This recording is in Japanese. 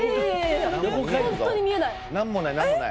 本当に見えない。